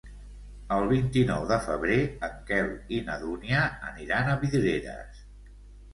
El vint-i-nou de febrer en Quel i na Dúnia aniran a Vidreres.